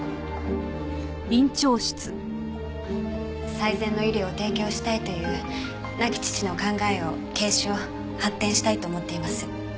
最善の医療を提供したいという亡き父の考えを継承発展したいと思っています。